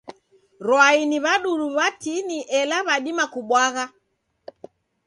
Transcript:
Rwai ni w'adudu w'atini ela w'adima kubwagha.